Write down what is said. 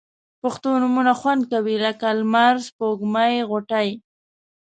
پښتو نومونه خوند کوي لکه لمر، سپوږمۍ، غوټۍ